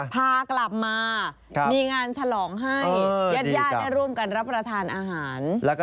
ผากลับมาเธอยานรุมกันรับประทานอาหาร